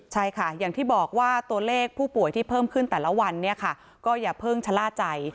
ใช่ค่ะอย่างที่บอกว่าตัวเลขผู้ป่วยที่เพิ่มขึ้นแต่ละวันเนี่ยค่ะก็อย่าเพิ่งชะล่าใจ